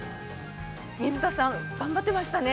◆水田さん、頑張ってましたね。